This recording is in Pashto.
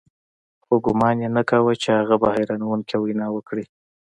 خو ګومان یې نه کاوه چې هغه به حیرانوونکې وینا وکړي